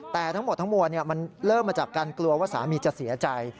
แต่ทั้งหมดทั้งมวลมันเริ่มมาจากการกลัวว่าสามีจะเสียใจ